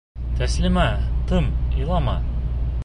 Тәслимә, тым, илама!